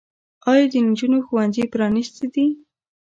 آیا د نجونو ښوونځي پرانیستي دي؟